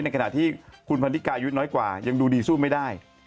ขณะที่คุณพันธิกายุทธ์น้อยกว่ายังดูดีสู้ไม่ได้